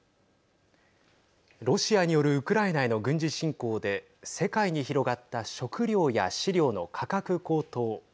ロシアによるウクライナへの軍事侵攻で世界に広がった食料や飼料の価格高騰。